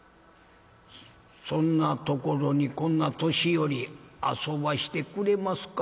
「そんなところにこんな年寄り遊ばしてくれますかな？」。